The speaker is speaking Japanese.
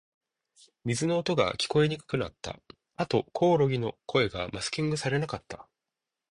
水の音が、聞こえにくくなった。あと、コオロギの声がマスキングされなかった。